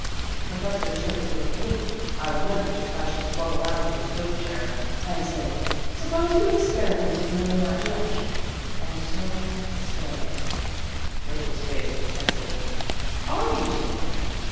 The pro fessor turned to look at me I remem ber just how she swung around in her swivel chair and said, 'Suppose you experiment a little in that direction.' And so I experimented." Rachel's face was pensive. " Are you strong?"